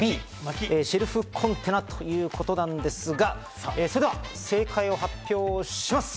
シェルフコンテナということなんですが、それでは正解を発表します。